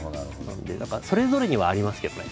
それぞれにはありますけどね